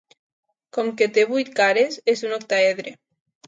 Com que te vuit cares, és un octaedre.